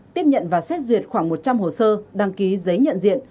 tiếp nhận và xét duyệt khoảng một trăm linh hồ sơ đăng ký giấy nhận diện